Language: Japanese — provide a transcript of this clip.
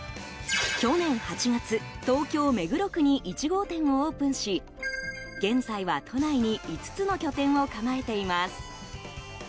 去年８月、東京・目黒区に１号店をオープンし現在は都内に５つの拠点を構えています。